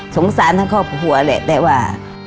สารทั้งครอบครัวแหละแต่ว่า